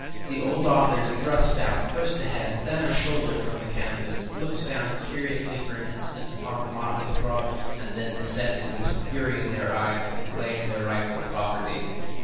The old authors thrust out, first a head, then a shoulder, from the canvas, looked down curiously for an instant upon the motley throng, and then descended, with fury in their eyes, to claim their rifled property.